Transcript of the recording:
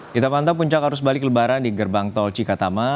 kita pantau puncak arus balik lebaran di gerbang tol cikatama